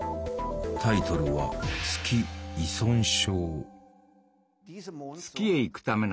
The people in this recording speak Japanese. タイトルは「月依存症」。